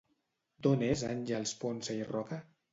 D'on és Àngels Ponsa i Roca?